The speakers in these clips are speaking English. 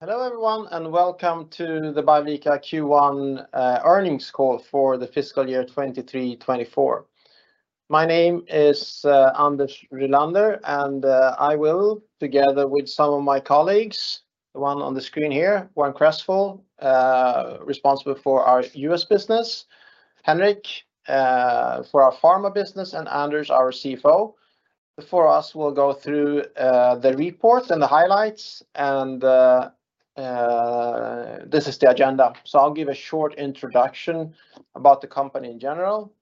Hello, everyone, and welcome to the Biovica Q1 earnings call for the fiscal year 2023-2024. My name is Anders Rylander, and I will, together with some of my colleagues, the one on the screen here, Warren Cresswell, responsible for our U.S. business, Henrik for our pharma business, and Anders, our CFO. The four of us will go through the reports and the highlights, and this is the agenda. So I'll give a short introduction about the company in general,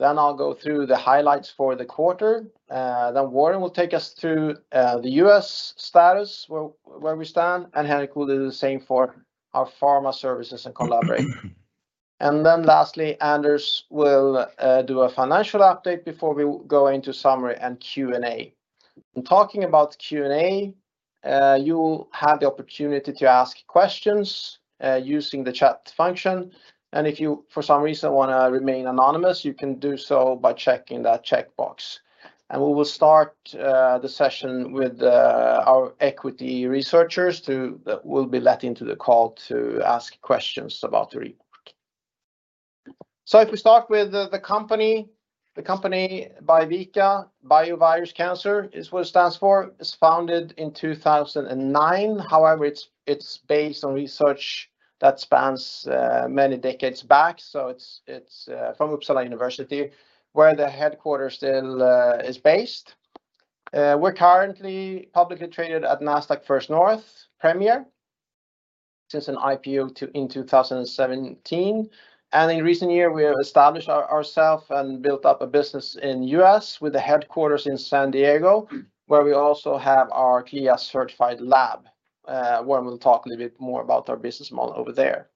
then I'll go through the highlights for the quarter. Then Warren will take us through the U.S. status, where we stand, and Henrik will do the same for our pharma services and collaboration. And then lastly, Anders will do a financial update before we go into summary and Q&A. Talking about Q&A, you will have the opportunity to ask questions using the chat function, and if you, for some reason, want to remain anonymous, you can do so by checking that checkbox. We will start the session with our equity researchers that will be let into the call to ask questions about the report. So, if we start with the company, Biovica, Bio Virus Cancer is what it stands for, is founded in 2009. However, it's from Uppsala University, where the headquarters still is based. We're currently publicly traded at Nasdaq First North Premier since an IPO in 2017, and in recent years, we have established ourselves and built up a business in U.S., with the headquarters in San Diego, where we also have our CLIA-certified lab. Warren will talk a little bit more about our business model over there.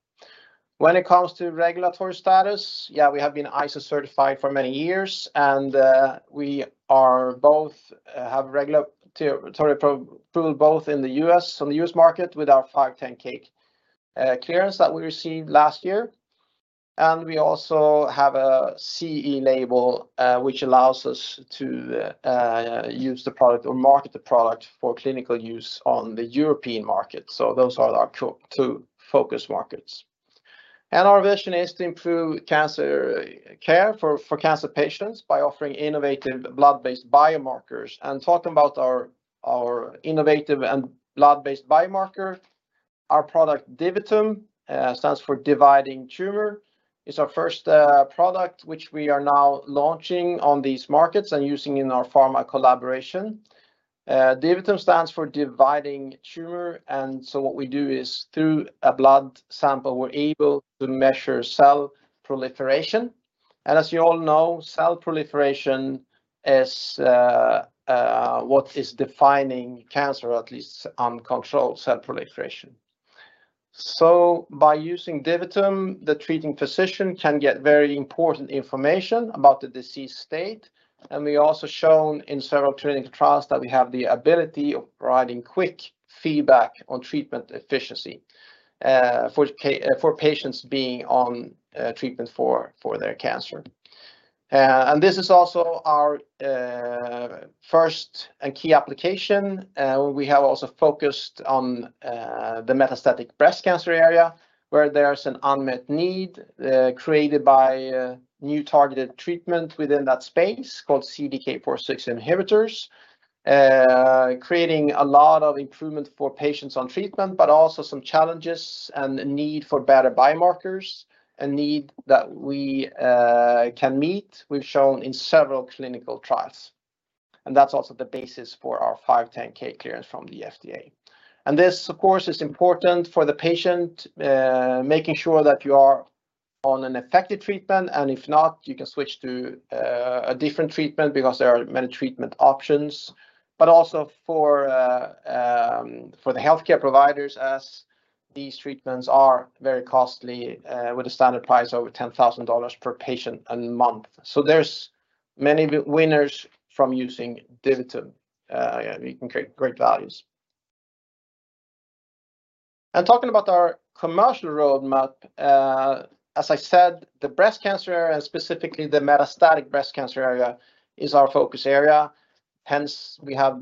When it comes to regulatory status, we have been ISO-certified for many years, and we also have regulatory approval both in the U.S., on the U.S. market, with our 510(k) clearance that we received last year. We also have a CE label, which allows us to use the product or market the product for clinical use on the European market, so those are our two focus markets. Our vision is to improve cancer care for cancer patients by offering innovative blood-based biomarkers. Talking about our innovative and blood-based biomarker, our product, DiviTum, stands for Dividing Tumor, is our first product, which we are now launching on these markets and using in our pharma collaboration. DiviTum stands for Dividing Tumor, and so what we do is, through a blood sample, we're able to measure cell proliferation. As you all know, cell proliferation is what is defining cancer, at least uncontrolled cell proliferation. So, by using DiviTum, the treating physician can get very important information about the disease state, and we also shown in several clinical trials that we have the ability of providing quick feedback on treatment efficiency for patients being on treatment for their cancer. This is also our first and key application. We have also focused on the metastatic breast cancer area, where there's an unmet need created by new targeted treatment within that space called CDK4/6 inhibitors, creating a lot of improvement for patients on treatment, but also some challenges and a need for better biomarkers, a need that we can meet. We've shown in several clinical trials, and that's also the basis for our 510(k) clearance from the FDA. This, of course, is important for the patient, making sure that you are on an effective treatment, and if not, you can switch to a different treatment because there are many treatment options, but also for the healthcare providers, as these treatments are very costly with the standard price over $10,000 per patient a month. So, there's many winners from using DiviTum. We can create great values. Talking about our commercial roadmap, as I said, the breast cancer, and specifically the metastatic breast cancer area, is our focus area. Hence, we have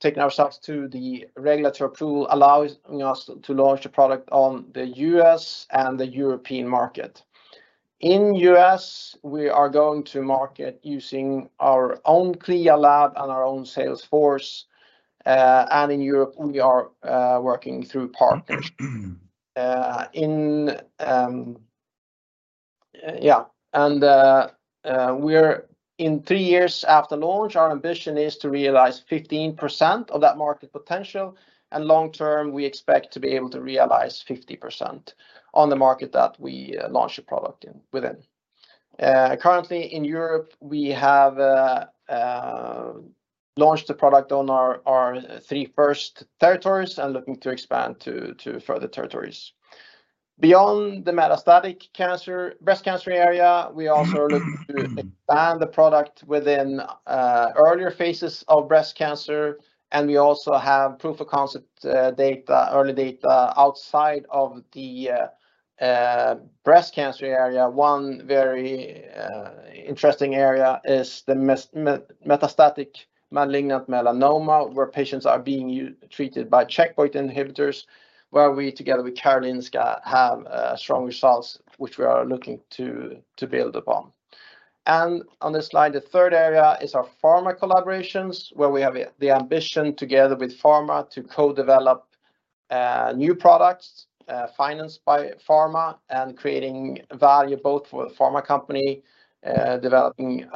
taken ourselves to the regulatory approval, allowing us to launch the product on the U.S. and the European market. In the U.S., we are going to market using our own CLIA lab and our own sales force, and in Europe, we are working through partners. In three years after launch, our ambition is to realize 15% of that market potential, and long term, we expect to be able to realize 50% on the market that we launch the product in within. Currently, in Europe, we have launched the product on our three first territories and looking to expand to further territories. Beyond the metastatic cancer, breast cancer area, we also look to expand the product within earlier phases of breast cancer, and we also have proof of concept data, early data outside of the breast cancer area. One very interesting area is the metastatic malignant melanoma, where patients are being treated by checkpoint inhibitors, where we, together with Karolinska, have strong results, which we are looking to build upon. And on this slide, the third area is our pharma collaborations, where we have the ambition together with pharma to co-develop new products financed by pharma, and creating value both for the pharma company developing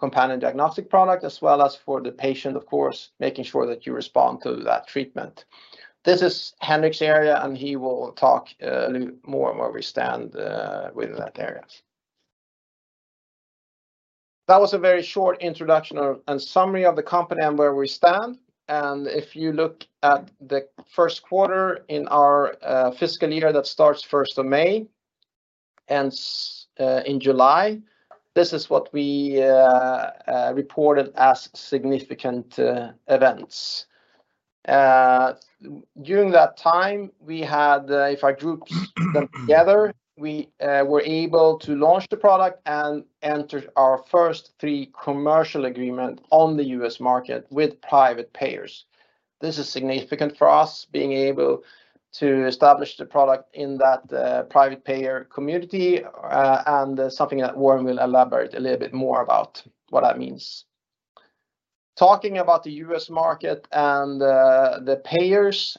companion diagnostic product, as well as for the patient, of course, making sure that you respond to that treatment. This is Henrik's area, and he will talk a little more on where we stand within that area. That was a very short introduction and summary of the company and where we stand. And if you look at the first quarter in our fiscal year that starts first of May, ends in July, this is what we reported as significant events. During that time, we had... If I group them together, we were able to launch the product and enter our first three commercial agreement on the U.S. market with private payers. This is significant for us, being able to establish the product in that private payer community, and something that Warren will elaborate a little bit more about what that means. Talking about the U.S. market and the payers,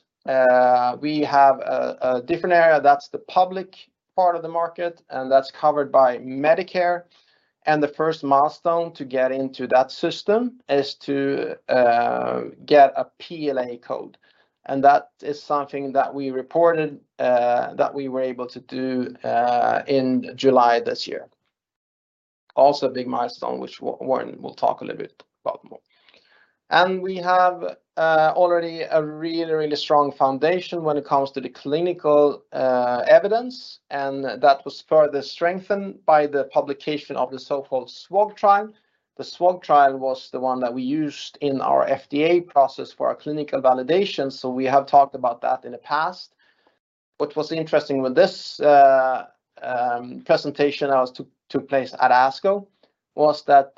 we have a different area, that's the public part of the market, and that's covered by Medicare. The first milestone to get into that system is to get a PLA code, and that is something that we reported that we were able to do in July this year. Also, a big milestone, which Warren will talk a little bit about more. And we have already a really, really strong foundation when it comes to the clinical evidence, and that was further strengthened by the publication of the so-called SWOG trial. The SWOG trial was the one that we used in our FDA process for our clinical validation, so we have talked about that in the past. What was interesting with this, presentation that took place at ASCO, was that,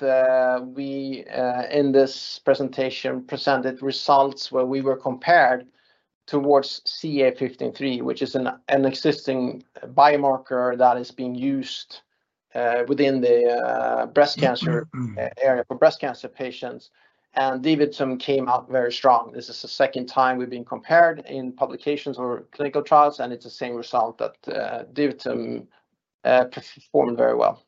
we, in this presentation, presented results where we were compared towards CA 15-3, which is an existing biomarker that is being used, within the, breast cancer area for breast cancer patients, and DiviTum came out very strong. This is the second time we've been compared in publications or clinical trials, and it's the same result, that, DiviTum performed very well.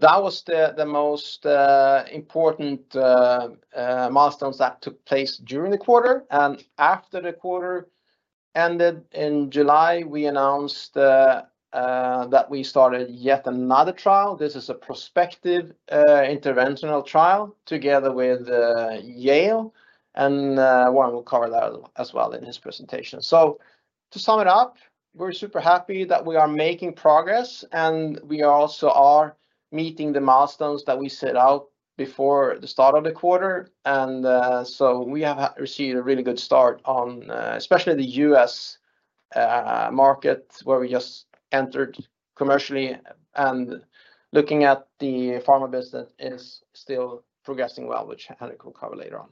That was the most important milestones that took place during the quarter. And after the quarter ended in July, we announced that we started yet another trial. This is a prospective, interventional trial together with, Yale, and, Warren will cover that as well in his presentation. So, to sum it up, we're super happy that we are making progress, and we also are meeting the milestones that we set out before the start of the quarter. So, we have received a really good start on, especially the U.S. market, where we just entered commercially. Looking at the pharma business is still progressing well, which Henrik will cover later on.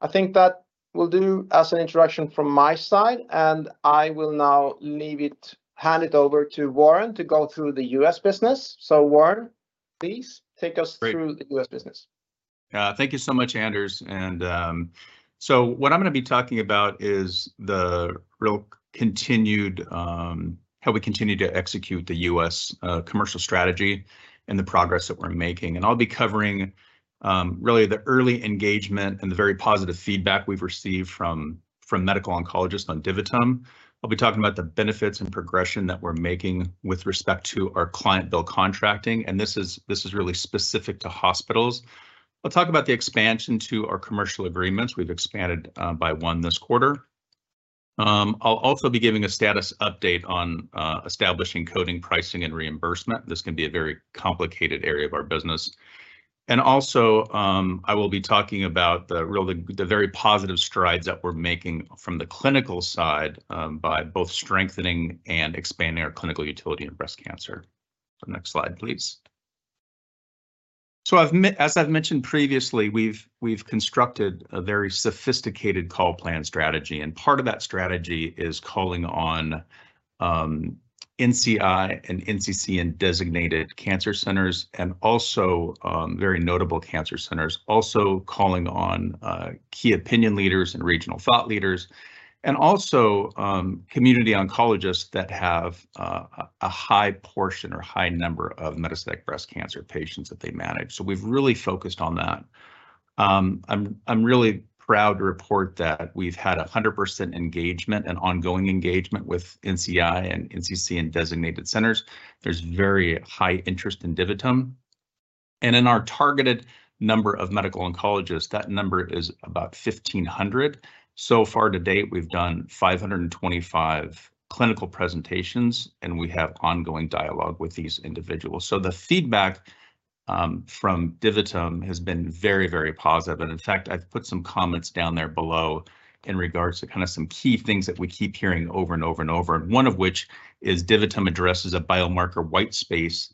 I think that will do as an introduction from my side, and I will now hand it over to Warren to go through the U.S. business. So Warren, please take us through- Great... the U.S. business. Thank you so much, Anders. So, what I'm gonna be talking about is the real continued how we continue to execute the U.S. commercial strategy and the progress that we're making. And I'll be covering really the early engagement and the very positive feedback we've received from medical oncologists on DiviTum. I'll be talking about the benefits and progression that we're making with respect to our client bill contracting, and this is really specific to hospitals. I'll talk about the expansion to our commercial agreements. We've expanded by 1 this quarter. I'll also be giving a status update on establishing coding, pricing, and reimbursement. This can be a very complicated area of our business. I will be talking about the very positive strides that we're making from the clinical side by both strengthening and expanding our clinical utility in breast cancer. So, next slide, please. So, I've as I've mentioned previously, we've constructed a very sophisticated call plan strategy, and part of that strategy is calling on NCI and NCCN designated cancer centers, and also very notable cancer centers. Also calling on key opinion leaders and regional thought leaders, and also community oncologists that have a high portion or high number of metastatic breast cancer patients that they manage. So we've really focused on that. I'm really proud to report that we've had 100% engagement and ongoing engagement with NCI and NCCN designated centers. There's very high interest in DiviTum. And in our targeted number of medical oncologists, that number is about 1,500. So far to date, we've done 525 clinical presentations, and we have ongoing dialogue with these individuals. So the feedback from DiviTum has been very, very positive. And in fact, I've put some comments down there below in regards to kind of some key things that we keep hearing over and over and over, and one of which is DiviTum addresses a biomarker white space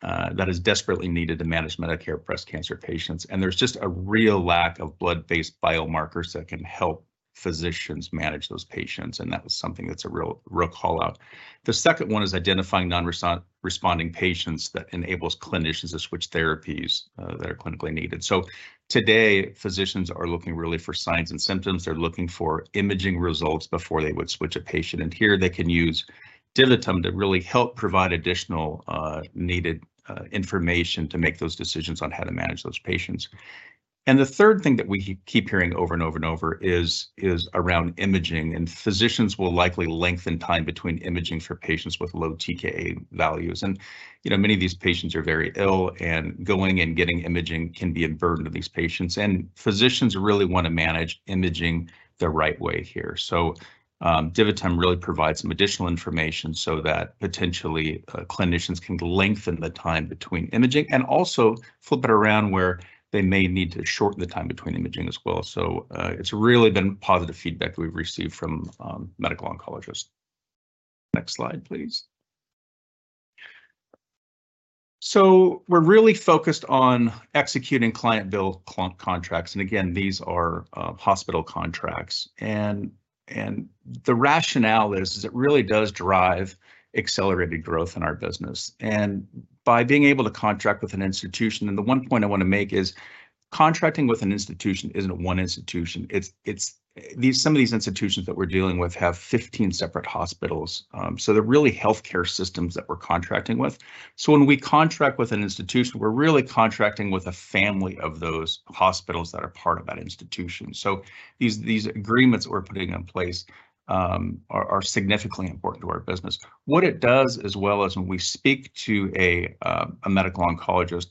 that is desperately needed to manage metastatic breast cancer patients. And there's just a real lack of blood-based biomarkers that can help physicians manage those patients, and that was something that's a real, real call-out. The second one is identifying non-responding patients that enables clinicians to switch therapies that are clinically needed. So today, physicians are looking really for signs and symptoms. They're looking for imaging results before they would switch a patient, and here they can use DiviTum to really help provide additional needed information to make those decisions on how to manage those patients. And the third thing that we keep hearing over and over and over is around imaging, and physicians will likely lengthen time between imaging for patients with low TKa values. And, you know, many of these patients are very ill, and going and getting imaging can be a burden to these patients, and physicians really want to manage imaging the right way here. So, DiviTum really provides some additional information so that potentially clinicians can lengthen the time between imaging, and also flip it around, where they may need to shorten the time between imaging as well. So, it's really been positive feedback we've received from medical oncologists. Next slide, please. So, we're really focused on executing client billable contracts, and again, these are hospital contracts, and the rationale is it really does drive accelerated growth in our business. And by being able to contract with an institution. And the one point I want to make is, contracting with an institution isn't one institution, it's some of these institutions that we're dealing with have 15 separate hospitals. So, they're really healthcare systems that we're contracting with. So, when we contract with an institution, we're really contracting with a family of those hospitals that are part of that institution. So these agreements we're putting in place are significantly important to our business. What it does, as well as when we speak to a medical oncologist,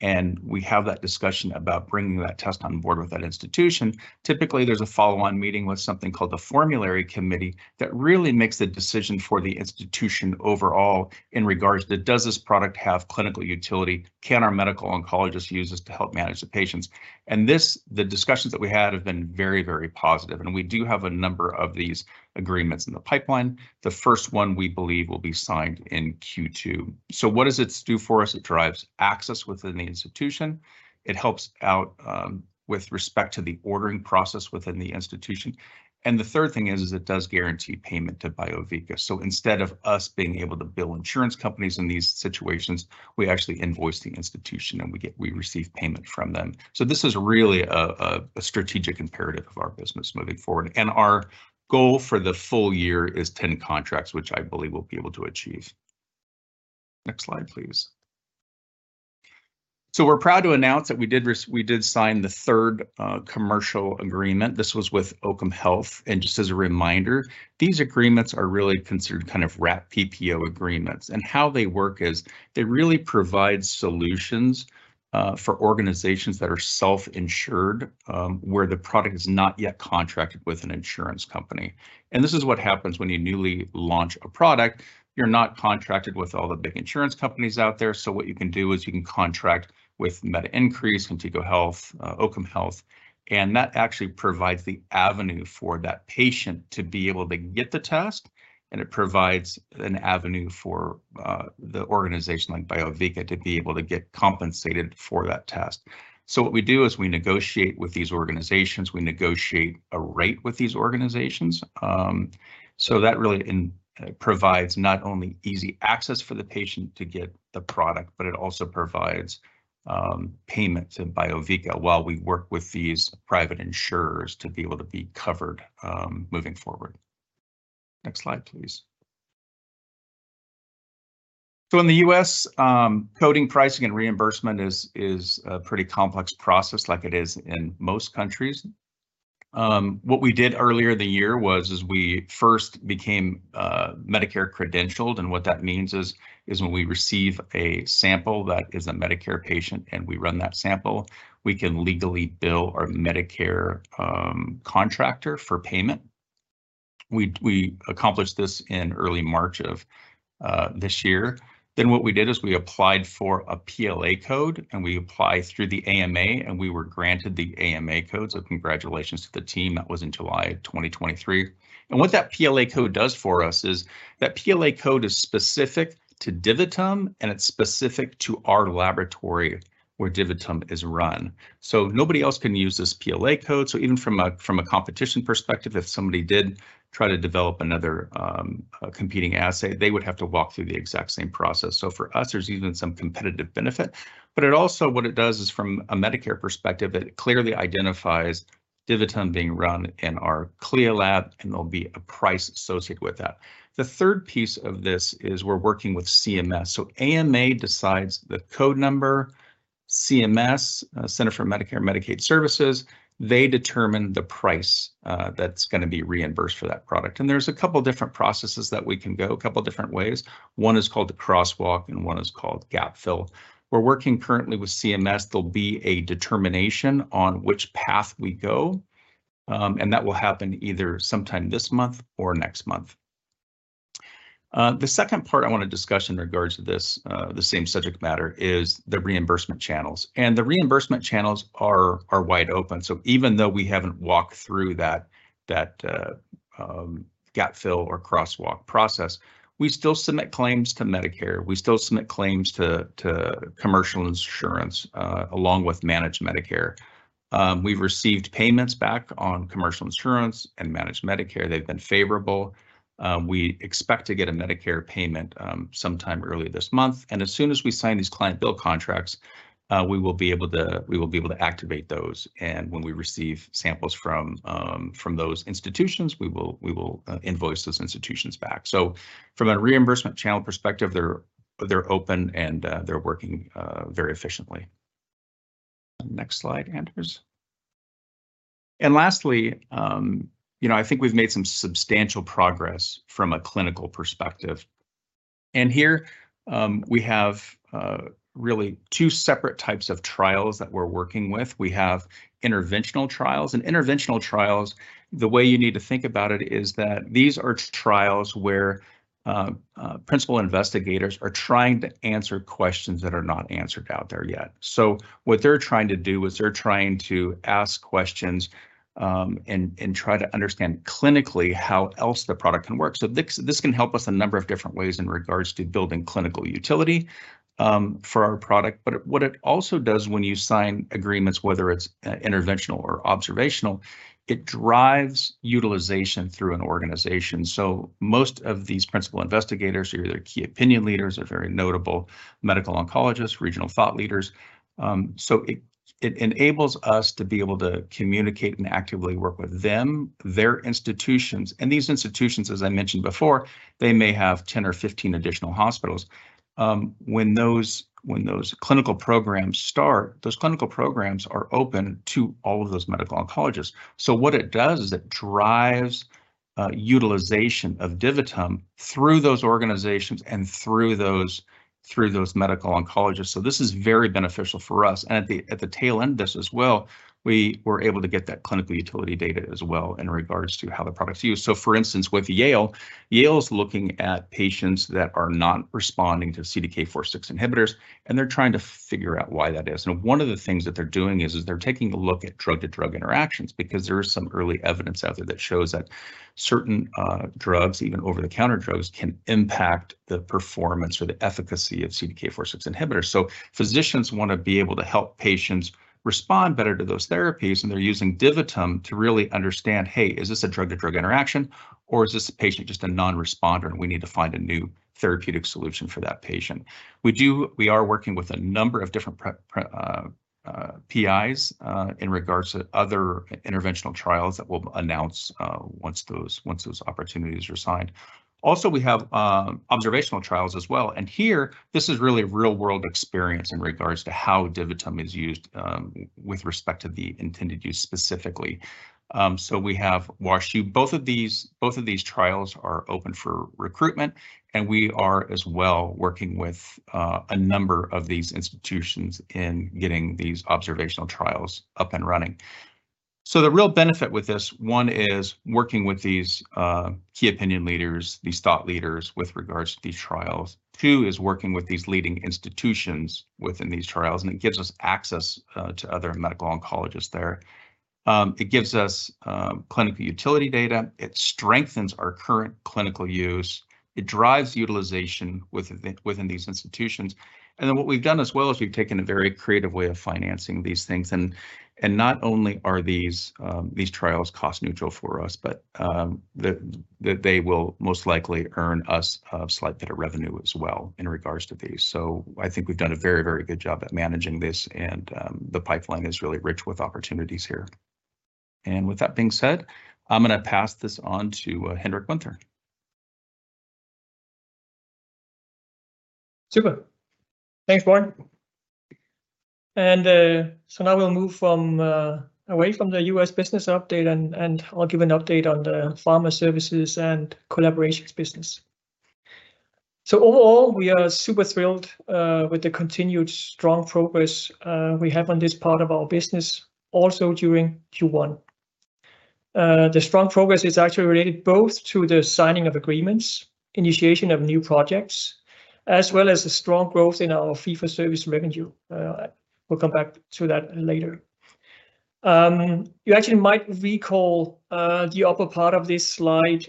and we have that discussion about bringing that test on board with that institution, typically there's a follow-on meeting with something called the formulary committee that really makes the decision for the institution overall in regards to, does this product have clinical utility? Can our medical oncologist use this to help manage the patients? And this, the discussions that we had have been very, very positive, and we do have a number of these agreements in the pipeline. The first one, we believe, will be signed in Q2. So what does it do for us? It drives access within the institution, it helps out with respect to the ordering process within the institution, and the third thing is it does guarantee payment to Biovica. So, instead of us being able to bill insurance companies in these situations, we actually invoice the institution, and we receive payment from them. So, this is really a strategic imperative of our business moving forward, and our goal for the full year is 10 contracts, which I believe we'll be able to achieve. Next slide, please. So, we're proud to announce that we did sign the third commercial agreement. This was with Occam Health, and just as a reminder, these agreements are really considered kind of wrap PPO agreements. And how they work is, they really provide solutions for organizations that are self-insured, where the product is not yet contracted with an insurance company. This is what happens when you newly launch a product, you're not contracted with all the big insurance companies out there, so what you can do is you can contract with MediNcrease, Contigo Health, Occam Health, and that actually provides the avenue for that patient to be able to get the test, and it provides an avenue for the organization, like Biovica, to be able to get compensated for that test. So what we do is we negotiate with these organizations, we negotiate a rate with these organizations. So that really provides not only easy access for the patient to get the product, but it also provides payment to Biovica while we work with these private insurers to be able to be covered moving forward. Next slide, please. So in the US, coding, pricing, and reimbursement is a pretty complex process, like it is in most countries. What we did earlier in the year was we first became Medicare-credentialed, and what that means is when we receive a sample that is a Medicare patient and we run that sample, we can legally bill our Medicare contractor for payment. We accomplished this in early March of this year. Then what we did is we applied for a PLA code, and we applied through the AMA, and we were granted the AMA code, so congratulations to the team. That was in July 2023. And what that PLA code does for us is, that PLA code is specific to DiviTum, and it's specific to our laboratory where DiviTum is run. So nobody else can use this PLA code. So, even from a competition perspective, if somebody did try to develop another a competing assay, they would have to walk through the exact same process. So for us, there's even some competitive benefit. But it also, what it does is, from a Medicare perspective, it clearly identifies DiviTum being run in our CLIA lab, and there'll be a price associated with that. The third piece of this is we're working with CMS. So AMA decides the code number. CMS, Center for Medicare and Medicaid Services, they determine the price that's gonna be reimbursed for that product, and there's a couple different processes that we can go, a couple different ways. One is called the Crosswalk, and one is called Gapfill. We're working currently with CMS. There'll be a determination on which path we go, and that will happen either sometime this month or next month. The second part I want to discuss in regards to this, the same subject matter, is the reimbursement channels, and the reimbursement channels are, are wide open. So, even though we haven't walked through that, that, gapfill or crosswalk process, we still submit claims to Medicare, we still submit claims to, to commercial insurance, along with managed Medicare. We've received payments back on commercial insurance and managed Medicare. They've been favorable. We expect to get a Medicare payment, sometime early this month, and as soon as we sign these client bill contracts, we will be able to—we will be able to activate those. When we receive samples from, from those institutions, we will invoice those institutions back. From a reimbursement channel perspective, they're open, and they're working very efficiently. Next slide, Anders. Lastly, you know, I think we've made some substantial progress from a clinical perspective. Here, we have really two separate types of trials that we're working with. We have interventional trials, and interventional trials, the way you need to think about it is that these are trials where principal investigators are trying to answer questions that are not answered out there yet. What they're trying to do is they're trying to ask questions and try to understand clinically how else the product can work. So, this can help us a number of different ways in regards to building clinical utility for our product. But what it also does when you sign agreements, whether it's interventional or observational, it drives utilization through an organization. So, most of these principal investigators are either key opinion leaders or very notable medical oncologists, regional thought leaders. So, it enables us to be able to communicate and actively work with them, their institutions, and these institutions, as I mentioned before, they may have 10 or 15 additional hospitals. When those clinical programs start, those clinical programs are open to all of those medical oncologists. So, what it does is it drives utilization of DiviTum through those organizations and through those medical oncologists. So, this is very beneficial for us. And at the tail end of this as well, we were able to get that clinical utility data as well in regards to how the product is used. So, for instance, with Yale, Yale is looking at patients that are not responding to CDK4/6 inhibitors, and they're trying to figure out why that is. And one of the things that they're doing is they're taking a look at drug-to-drug interactions because there is some early evidence out there that shows that certain drugs, even over-the-counter drugs, can impact the performance or the efficacy of CDK4/6 inhibitors. So, physicians want to be able to help patients respond better to those therapies, and they're using DiviTum to really understand, hey, is this a drug-to-drug interaction, or is this patient just a non-responder, and we need to find a new therapeutic solution for that patient? We do... We are working with a number of different PIs in regards to other interventional trials that we'll announce once those opportunities are signed. Also, we have observational trials as well, and here, this is really real-world experience in regards to how DiviTum is used with respect to the intended use specifically. So, we have WashU. Both of these trials are open for recruitment, and we are as well working with a number of these institutions in getting these observational trials up and running. So, the real benefit with this, one, is working with these key opinion leaders, these thought leaders, with regards to these trials. Two, is working with these leading institutions within these trials, and it gives us access to other medical oncologists there. It gives us clinical utility data, it strengthens our current clinical use, it drives utilization within these institutions. And then what we've done as well is we've taken a very creative way of financing these things, and not only are these trials cost neutral for us, but that they will most likely earn us a slight bit of revenue as well in regards to these. So, I think we've done a very, very good job at managing this, and the pipeline is really rich with opportunities here. And with that being said, I'm gonna pass this on to Henrik Winther. Super. Thanks, Warren. And, so now we'll move from, away from the U.S. business update, and, and I'll give an update on the pharma services and collaborations business. So overall, we are super thrilled, with the continued strong progress, we have on this part of our business, also during Q1. The strong progress is actually related both to the signing of agreements, initiation of new projects, as well as the strong growth in our fee-for-service revenue. We'll come back to that later. You actually might recall, the upper part of this slide,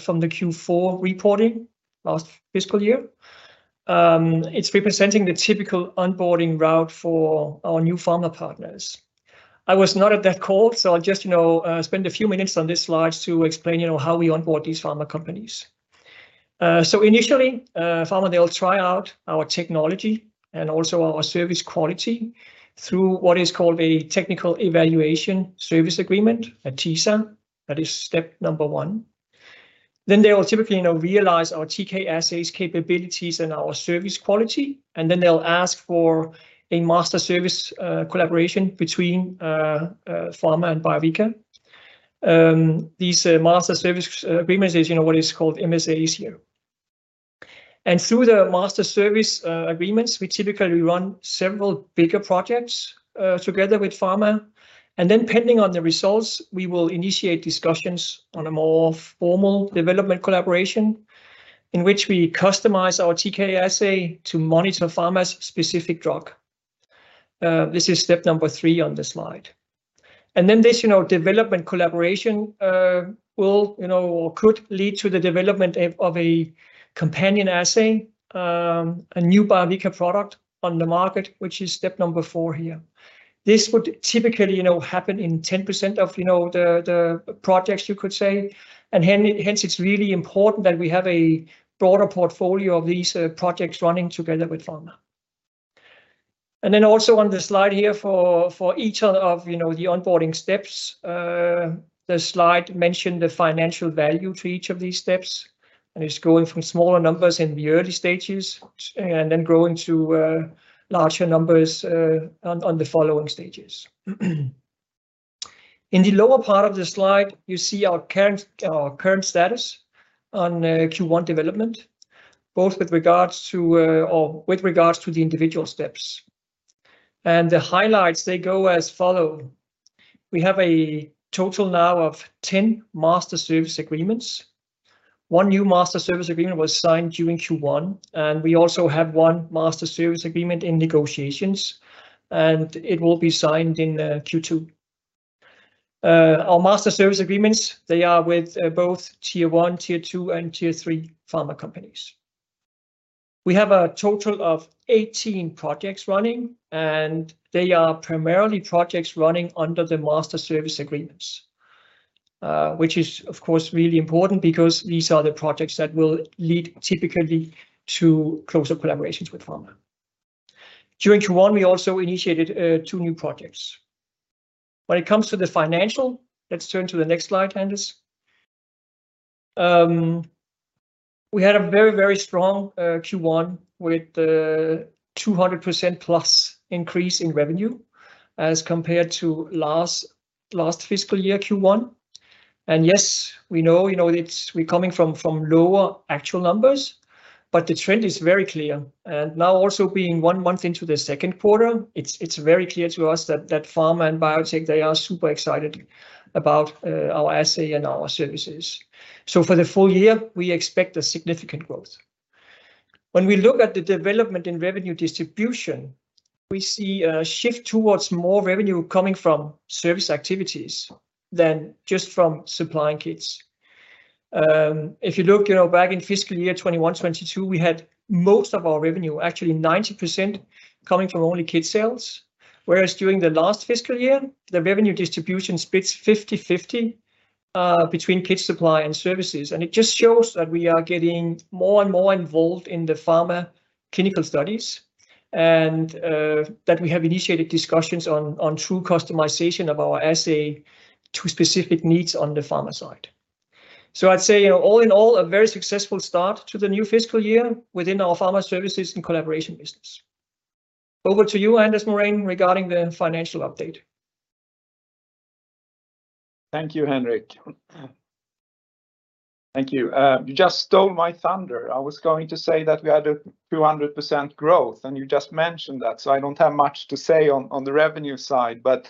from the Q4 reporting last fiscal year. It's representing the typical onboarding route for our new pharma partners. I was not at that call, so I'll just, you know, spend a few minutes on this slide to explain, you know, how we onboard these pharma companies. So initially, pharma, they will try out our technology and also our service quality through what is called a Technical Evaluation Service Agreement, a TESA. That is step number 1. Then they will typically, you know, realize our TK assays capabilities and our service quality, and then they'll ask for a master service collaboration between pharma and Biovica. These master service agreements is, you know, what is called MSAs here. And through the master service agreements, we typically run several bigger projects together with pharma, and then pending on the results, we will initiate discussions on a more formal development collaboration, in which we customize our TK assay to monitor pharma's specific drug. This is step number 3 on the slide.... And then this, you know, development collaboration will, you know, or could lead to the development of a companion assay, a new Biovica product on the market, which is step number four here. This would typically, you know, happen in 10% of, you know, the projects you could say, and hence, it's really important that we have a broader portfolio of these projects running together with pharma. And then also on the slide here for each of, you know, the onboarding steps, the slide mentioned the financial value to each of these steps, and it's going from smaller numbers in the early stages, and then growing to larger numbers on the following stages. In the lower part of the slide, you see our current status on Q1 development, both with regards to or with regards to the individual steps. The highlights go as follow. We have a total now of 10 master service agreements. One new master service agreement was signed during Q1, and we also have one master service agreement in negotiations, and it will be signed in Q2. Our master service agreements are with both Tier 1, Tier 2, and Tier 3 pharma companies. We have a total of 18 projects running, and they are primarily projects running under the master service agreements, which is, of course, really important because these are the projects that will lead typically to closer collaborations with pharma. During Q1, we also initiated two new projects. When it comes to the financial, let's turn to the next slide, Anders. We had a very, very strong Q1 with 200% plus increase in revenue as compared to last fiscal year, Q1. Yes, we know we're coming from lower actual numbers, but the trend is very clear. Now also being one month into the second quarter, it's very clear to us that pharma and biotech, they are super excited about our assay and our services. For the full year, we expect a significant growth. When we look at the development in revenue distribution, we see a shift towards more revenue coming from service activities than just from supplying kits. If you look, you know, back in fiscal year 2021, 2022, we had most of our revenue, actually 90%, coming from only kit sales, whereas during the last fiscal year, the revenue distribution splits 50/50 between kit supply and services. And it just shows that we are getting more and more involved in the pharma clinical studies, and that we have initiated discussions on true customization of our assay to specific needs on the pharma side. So, I'd say, you know, all in all, a very successful start to the new fiscal year within our pharma services and collaboration business. Over to you, Anders Morén, regarding the financial update. Thank you, Henrik. Thank you. You just stole my thunder. I was going to say that we had a 200% growth, and you just mentioned that, so I don't have much to say on, on the revenue side, but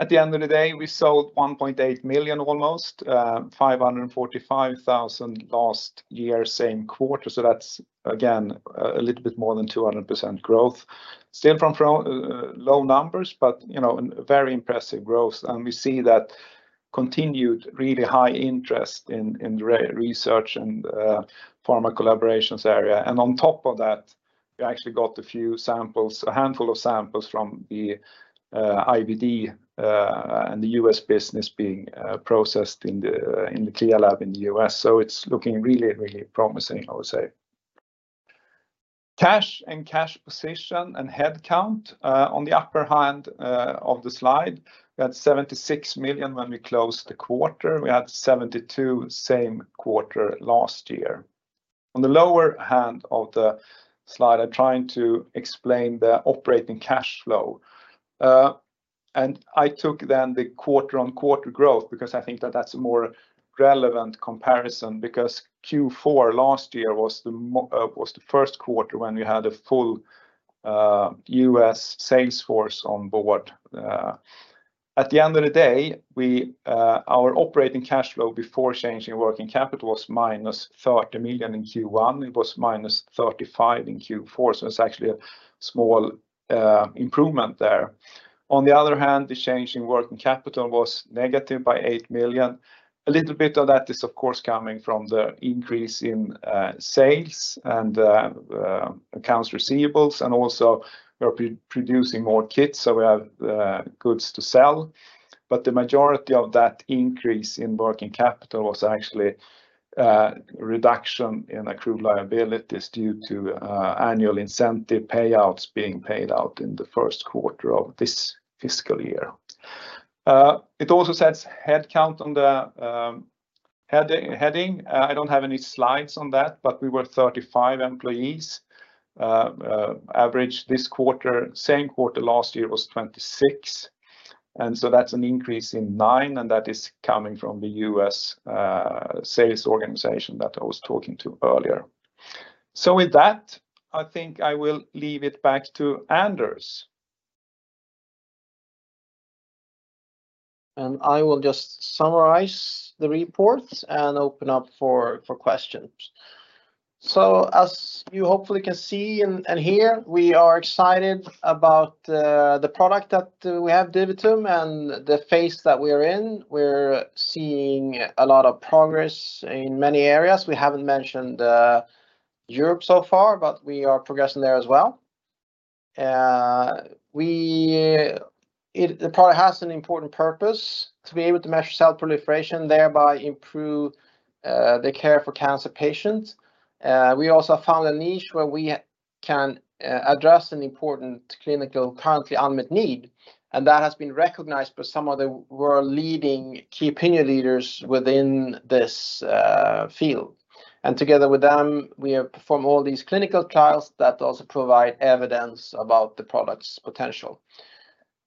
at the end of the day, we sold 1.8 million, almost 545,000 last year, same quarter. So that's, again, a little bit more than 200% growth. Still from, from low numbers, but, you know, very impressive growth, and we see that continued really high interest in, in research and pharma collaborations area. And on top of that, we actually got a few samples, a handful of samples from the, IVD, and the U.S. business being, processed in the, in the CLIA lab in the U.S., so it's looking really, really promising, I would say. Cash and cash position and head count. On the upper hand, of the slide, we had 76 million when we closed the quarter. We had 72 same quarter last year. On the lower hand of the slide, I'm trying to explain the operating cash flow. And I took then the quarter-on-quarter growth, because I think that that's a more relevant comparison, because Q4 last year was the first quarter when we had a full, U.S. sales force on board. At the end of the day, we, our operating cash flow before changing working capital was -30 million in Q1. It was -35 million in Q4, so it's actually a small improvement there. On the other hand, the change in working capital was negative by 8 million. A little bit of that is, of course, coming from the increase in sales and accounts receivables, and also we're producing more kits, so we have goods to sell. But the majority of that increase in working capital was actually reduction in accrued liabilities due to annual incentive payouts being paid out in the first quarter of this fiscal year. It also says headcount on the heading. I don't have any slides on that, but we were 35 employees. Average this quarter, same quarter last year was 26, and so that's an increase in 9, and that is coming from the U.S. sales organization that I was talking to earlier. So with that, I think I will leave it back to Anders. I will just summarize the reports and open up for questions. So, as you hopefully can see and hear, we are excited about the product that we have, DiviTum, and the phase that we are in. We're seeing a lot of progress in many areas. We haven't mentioned Europe so far, but we are progressing there as well. It, the product has an important purpose, to be able to measure cell proliferation, thereby improve the care for cancer patients. We also found a niche where we can address an important clinical, currently unmet need, and that has been recognized by some of the world-leading key opinion leaders within this field. Together with them, we have performed all these clinical trials that also provide evidence about the product's potential.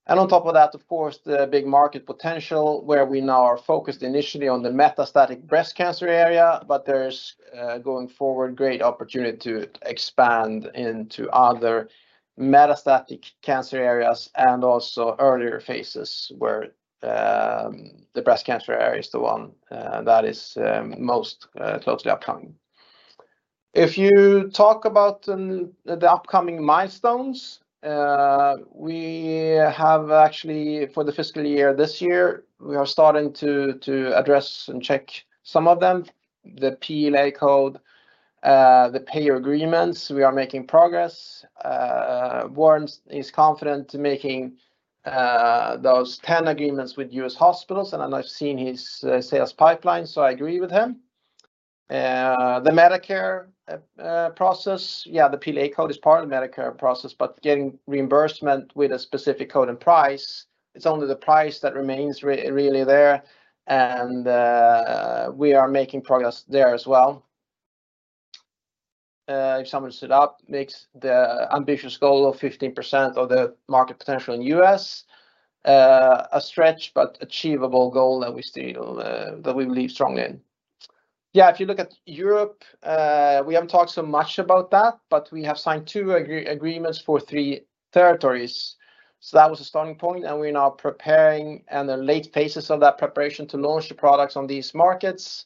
On top of that, of course, the big market potential, where we now are focused initially on the metastatic breast cancer area, but there's going forward, great opportunity to expand into other metastatic cancer areas and also earlier phases, where the breast cancer area is the one that is most closely upcoming. If you talk about the upcoming milestones, we have actually, for the fiscal year this year, we are starting to address and check some of them. The PLA code, the payer agreements, we are making progress. Warren is confident making those 10 agreements with U.S. hospitals, and I've seen his sales pipeline, so I agree with him. The Medicare process, yeah, the PLA code is part of the Medicare process, but getting reimbursement with a specific code and price, it's only the price that remains really there, and we are making progress there as well. If someone set up, makes the ambitious goal of 15% of the market potential in U.S., a stretch, but achievable goal that we still, that we believe strongly in. Yeah, if you look at Europe, we haven't talked so much about that, but we have signed two agreements for three territories. So, that was a starting point, and we're now preparing, in the late phases of that preparation, to launch the products on these markets.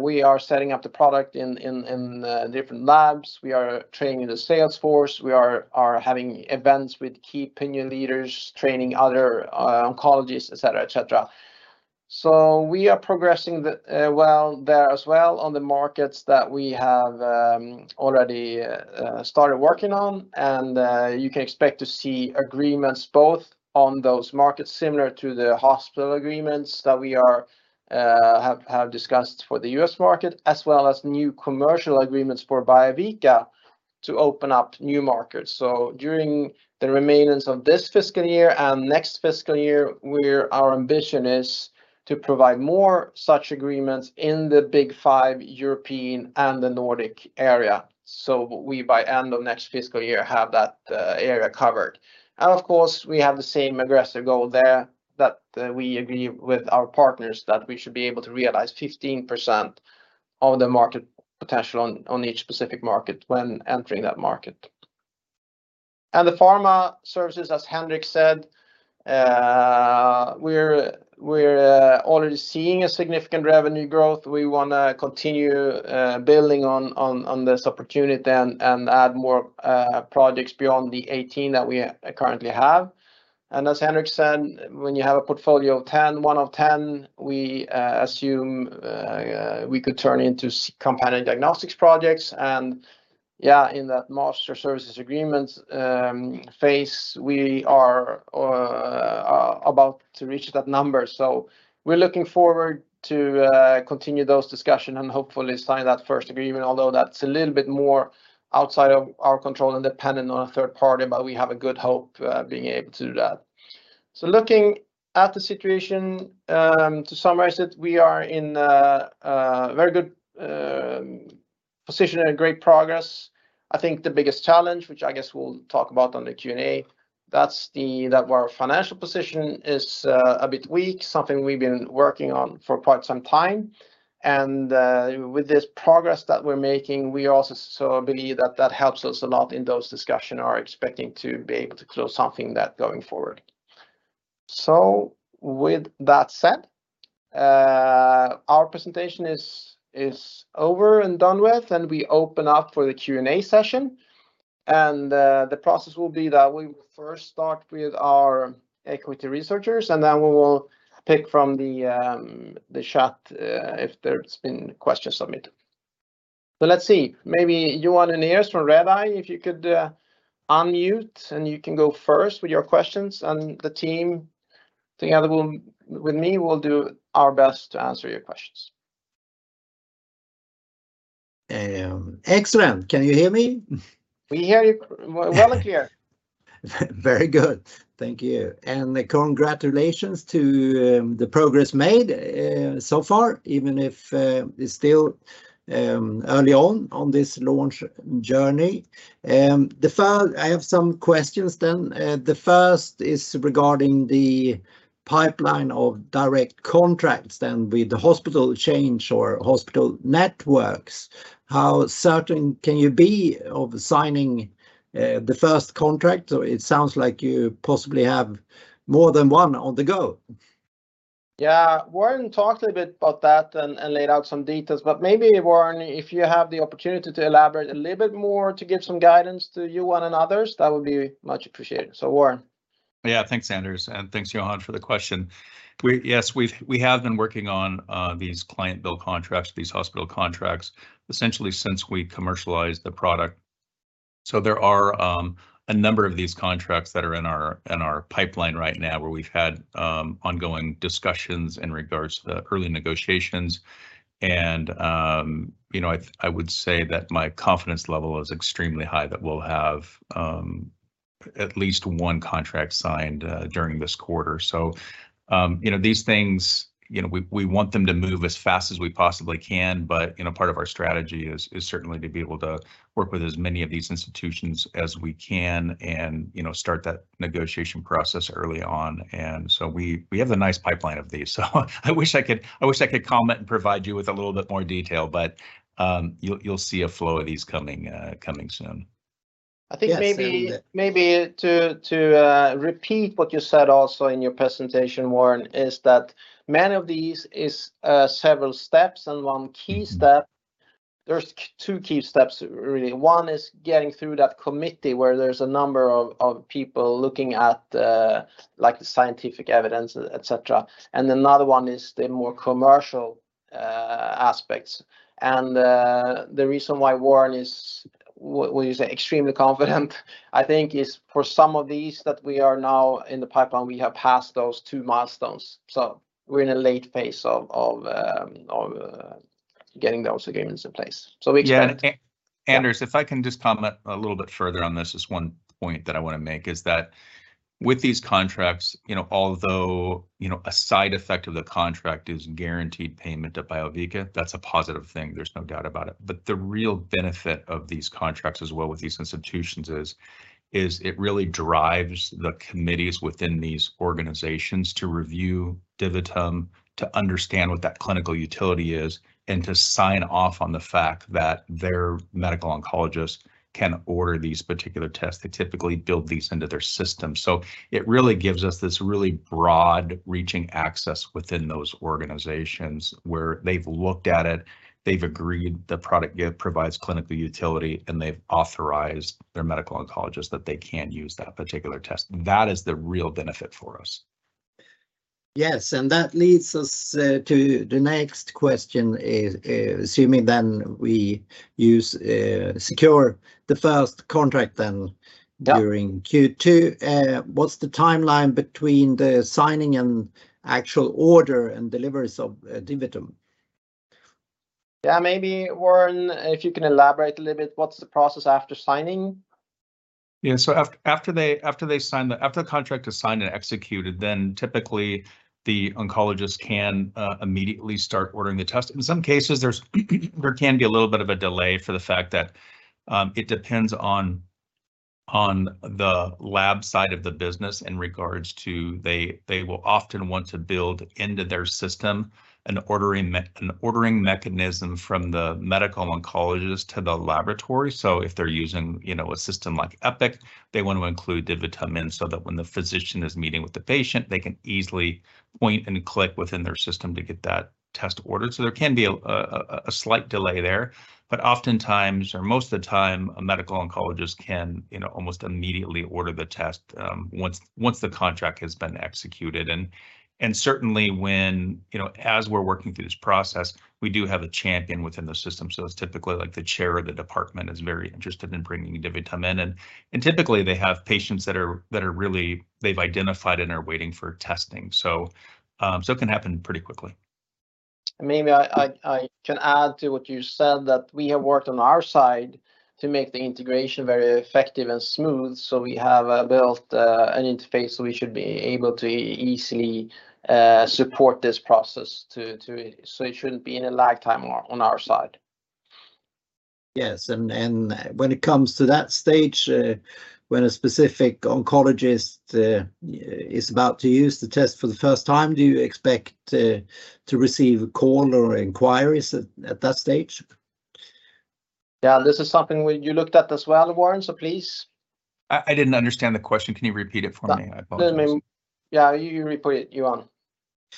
We are setting up the product in different labs. We are training the sales force. We are having events with key opinion leaders, training other oncologists, et cetera, et cetera. So, we are progressing well there as well on the markets that we have already started working on, and you can expect to see agreements both on those markets, similar to the hospital agreements that we have discussed for the U.S. market, as well as new commercial agreements for Biovica to open up new markets. So, during the remainder of this fiscal year and next fiscal year, our ambition is to provide more such agreements in the Big Five European and the Nordic area, so we, by end of next fiscal year, have that area covered. Of course, we have the same aggressive goal there, that we agree with our partners that we should be able to realize 15% of the market potential on each specific market when entering that market. The pharma services, as Henrik said, we're already seeing a significant revenue growth. We want to continue building on this opportunity and add more projects beyond the 18 that we currently have. As Henrik said, when you have a portfolio of 10, 1 of 10, we assume we could turn into companion diagnostics projects. Yeah, in that master services agreements phase, we are about to reach that number. So, we're looking forward to continue those discussions and hopefully sign that first agreement, although that's a little bit more outside of our control and dependent on a third party, but we have a good hope being able to do that. So, looking at the situation to summarize it, we are in a very good position and great progress. I think the biggest challenge, which I guess we'll talk about on the Q&A, that's the that our financial position is a bit weak, something we've been working on for quite some time. And with this progress that we're making, we also believe that that helps us a lot in those discussions, are expecting to be able to close something that going forward. So, with that said, our presentation is over and done with, and we open up for the Q&A session. The process will be that we will first start with our equity researchers, and then we will pick from the chat, if there's been questions submitted. So let's see. Maybe Johan Unnerus from Redeye, if you could, unmute, and you can go first with your questions, and the team together with me will do our best to answer your questions. Excellent. Can you hear me? We hear you loud and clear. Very good. Thank you. And congratulations to the progress made so far, even if it's still early on this launch journey. The first... I have some questions then. The first is regarding the pipeline of direct contracts then with the hospital chains or hospital networks. How certain can you be of signing the first contract? So it sounds like you possibly have more than one on the go.... Yeah, Warren talked a bit about that and laid out some details, but maybe, Warren, if you have the opportunity to elaborate a little bit more to give some guidance to Johan and others, that would be much appreciated. So, Warren? Yeah, thanks, Anders, and thanks, Johan, for the question. Yes, we've been working on these client bill contracts, these hospital contracts, essentially since we commercialized the product. So there are a number of these contracts that are in our pipeline right now, where we've had ongoing discussions in regards to the early negotiations. And you know, I would say that my confidence level is extremely high that we'll have at least one contract signed during this quarter. So you know, these things, you know, we want them to move as fast as we possibly can, but you know, part of our strategy is certainly to be able to work with as many of these institutions as we can, and you know, start that negotiation process early on. So we have a nice pipeline of these. I wish I could comment and provide you with a little bit more detail, but you'll see a flow of these coming soon. I think maybe- Yes, and-... maybe to repeat what you said also in your presentation, Warren, is that many of these is several steps, and one key step... There's two key steps, really. One is getting through that committee, where there's a number of people looking at, like, the scientific evidence, et cetera. And another one is the more commercial aspects. And the reason why Warren is well, he's extremely confident I think is for some of these that we are now in the pipeline, we have passed those two milestones. So we're in a late phase of getting those agreements in place. So we expect- Yeah. Yeah. Anders, if I can just comment a little bit further on this, there's one point that I want to make, is that with these contracts, you know, although, you know, a side effect of the contract is guaranteed payment to Biovica, that's a positive thing, there's no doubt about it. But the real benefit of these contracts, as well, with these institutions is, is it really drives the committees within these organizations to review DiviTum, to understand what that clinical utility is, and to sign off on the fact that their medical oncologist can order these particular tests. They typically build these into their system. So, it really gives us this really broad-reaching access within those organizations, where they've looked at it, they've agreed the product gives provides clinical utility, and they've authorized their medical oncologist that they can use that particular test. That is the real benefit for us. Yes, and that leads us to the next question, assuming then we use secure the first contract then. Yeah... during Q2, what's the timeline between the signing and actual order and deliveries of DiviTum? Yeah, maybe, Warren, if you can elaborate a little bit, what's the process after signing? Yeah, so after the contract is signed and executed, then typically the oncologist can immediately start ordering the test. In some cases, there can be a little bit of a delay for the fact that it depends on the lab side of the business in regards to they will often want to build into their system an ordering mechanism from the medical oncologist to the laboratory. So if they're using, you know, a system like Epic, they want to include DiviTum in, so that when the physician is meeting with the patient, they can easily point and click within their system to get that test ordered. So there can be a slight delay there, but oftentimes, or most of the time, a medical oncologist can, you know, almost immediately order the test once the contract has been executed. And certainly when, you know, as we're working through this process, we do have a champion within the system, so it's typically, like, the chair of the department is very interested in bringing DiviTum in. And typically, they have patients that are really... They've identified and are waiting for testing. So it can happen pretty quickly. Maybe I can add to what you said, that we have worked on our side to make the integration very effective and smooth. So we have built an interface, so we should be able to easily support this process to. So it shouldn't be in a lag time on our side. Yes, and when it comes to that stage, when a specific oncologist is about to use the test for the first time, do you expect to receive a call or inquiries at that stage? Yeah, this is something you looked at as well, Warren, so please. I, I didn't understand the question. Can you repeat it for me? I apologize. Yeah, you repeat it, Johan.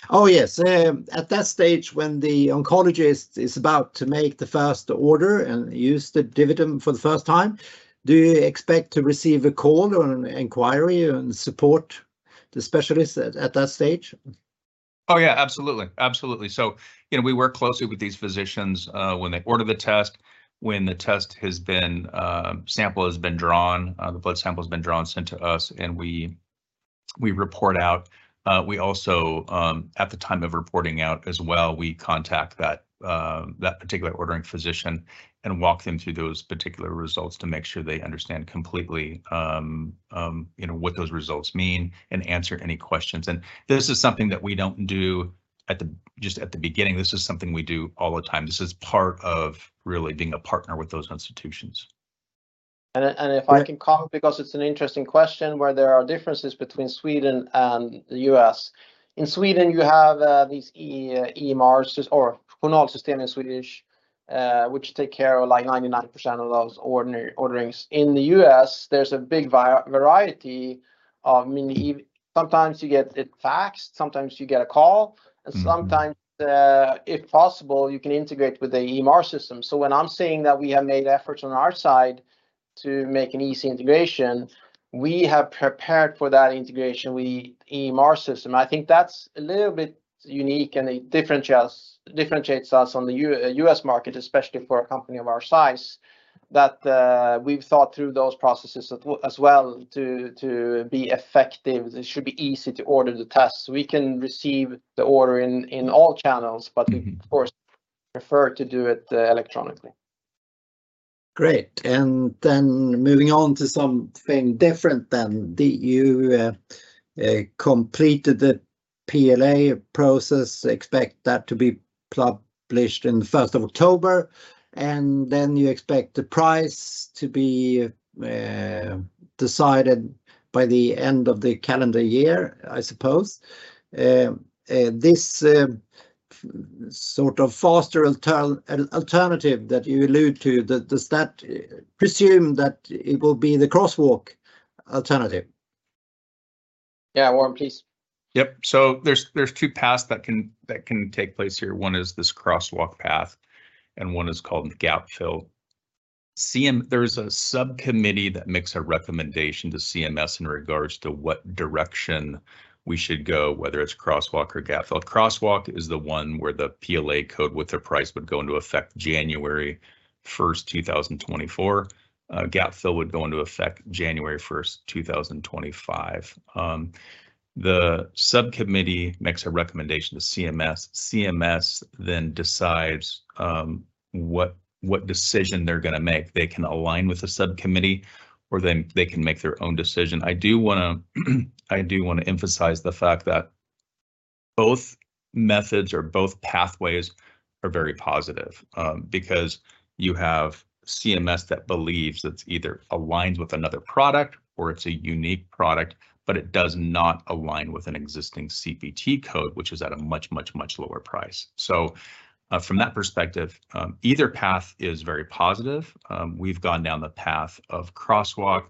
Oh, yes. At that stage, when the oncologist is about to make the first order and use the DiviTum for the first time, do you expect to receive a call or an inquiry and support the specialist at that stage? Oh, yeah, absolutely. Absolutely. So, you know, we work closely with these physicians, when they order the test, when the test has been, sample has been drawn, the blood sample has been drawn, sent to us, and we, we report out. We also, at the time of reporting out as well, we contact that, that particular ordering physician and walk them through those particular results to make sure they understand completely, you know, what those results mean and answer any questions. And this is something that we don't do at the, just at the beginning, this is something we do all the time. This is part of really being a partner with those institutions. And if I can comment- Yeah... because it's an interesting question, where there are differences between Sweden and the U.S. In Sweden, you have these E-EMRs, or journal system in Swedish, which take care of, like, 99% of those ordinary orderings. In the U.S., there's a big variety of, I mean, sometimes you get it faxed, sometimes you get a call- Mm. and sometimes, if possible, you can integrate with the EMR system. So when I'm saying that we have made efforts on our side to make an easy integration, we have prepared for that integration with EMR system. I think that's a little bit unique, and it differentiates, differentiates us on the U.S. market, especially for a company of our size, that we've thought through those processes as well to be effective. It should be easy to order the test. We can receive the order in all channels- Mm. but we, of course, prefer to do it electronically. Great. And then moving on to something different then. Did you complete the PLA process? Expect that to be published in the 1st of October, and then you expect the price to be decided by the end of the calendar year, I suppose. This sort of faster alternative that you allude to, does that presume that it will be the crosswalk alternative? Yeah, Warren, please. Yep. So there's two paths that can take place here. One is this Crosswalk path, and one is called Gapfill. There's a subcommittee that makes a recommendation to CMS in regards to what direction we should go, whether it's Crosswalk or Gapfill. Crosswalk is the one where the PLA code with their price would go into effect January 1st, 2024. Gapfill would go into effect January 1st, 2025. The subcommittee makes a recommendation to CMS. CMS then decides what decision they're going to make. They can align with the subcommittee, or they can make their own decision. I do want to emphasize the fact that both methods or both pathways are very positive. Because you have CMS that believes that it's either aligns with another product or it's a unique product, but it does not align with an existing CPT code, which is at a much, much, much lower price. So, from that perspective, either path is very positive. We've gone down the path of crosswalk,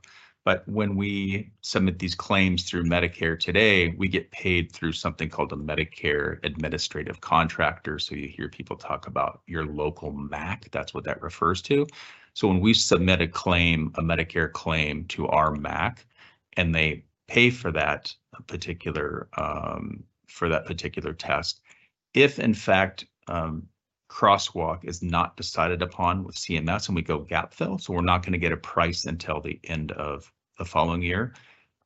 but when we submit these claims through Medicare today, we get paid through something called a Medicare Administrative Contractor. So you hear people talk about your local MAC, that's what that refers to. So when we submit a claim, a Medicare claim to our MAC, and they pay for that particular, for that particular test, if in fact, crosswalk is not decided upon with CMS and we go gap fill, so we're not going to get a price until the end of the following year,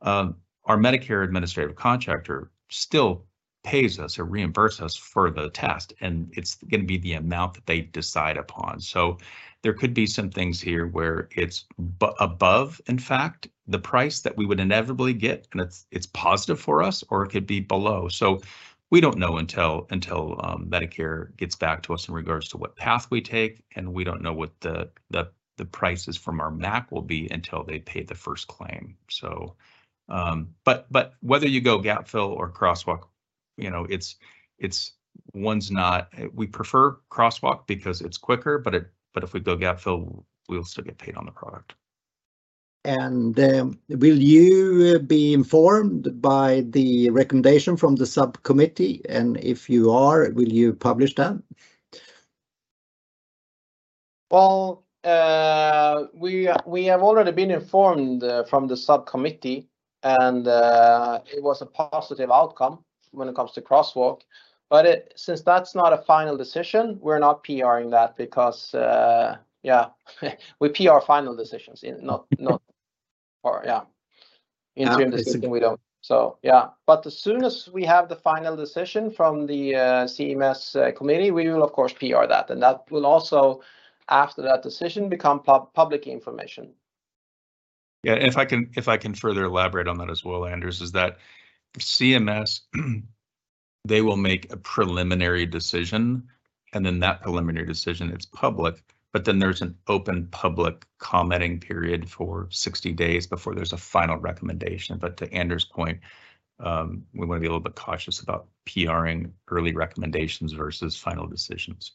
our Medicare Administrative Contractor still pays us or reimburses us for the test, and it's going to be the amount that they decide upon. So there could be some things here where it's above, in fact, the price that we would inevitably get, and it's positive for us, or it could be below. So we don't know until Medicare gets back to us in regards to what path we take, and we don't know what the prices from our MAC will be until they pay the first claim. But whether you go Gapfill or Crosswalk, you know, it's. One's not. We prefer Crosswalk because it's quicker, but if we go Gapfill, we'll still get paid on the product. Will you be informed by the recommendation from the subcommittee? If you are, will you publish that? Well, we have already been informed from the subcommittee, and it was a positive outcome when it comes to crosswalk. But since that's not a final decision, we're not PR-ing that because, yeah, we PR our final decisions, not... or yeah. Yeah. Interim decision, we don't. So, yeah. But as soon as we have the final decision from the CMS committee, we will, of course, PR that, and that will also, after that decision, become public information. Yeah, and if I can further elaborate on that as well, Anders, is that CMS, they will make a preliminary decision, and then that preliminary decision, it's public. But then there's an open public commenting period for 60 days before there's a final recommendation. But to Anders' point, we want to be a little bit cautious about PR-ing early recommendations versus final decisions.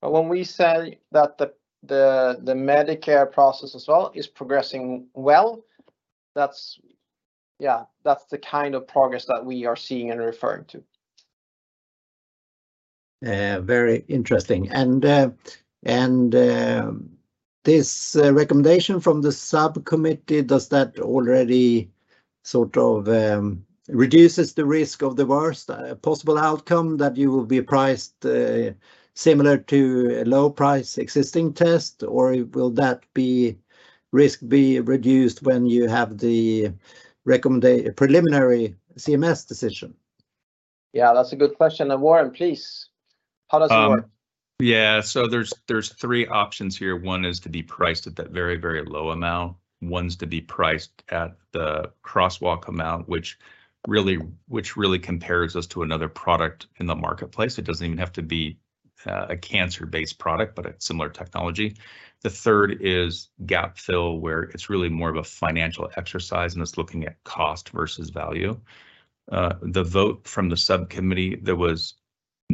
When we say that the Medicare process as well is progressing well, that's, yeah, that's the kind of progress that we are seeing and referring to. Very interesting. And this recommendation from the subcommittee, does that already sort of reduces the risk of the worst possible outcome, that you will be priced similar to a low price existing test, or will that risk be reduced when you have the preliminary CMS decision? Yeah, that's a good question. Warren, please, how does it work? Yeah, so there's, there's three options here. One is to be priced at that very, very low amount. One is to be priced at the crosswalk amount, which really, which really compares us to another product in the marketplace. It doesn't even have to be a cancer-based product, but a similar technology. The third is gap fill, where it's really more of a financial exercise, and it's looking at cost versus value. The vote from the subcommittee, there was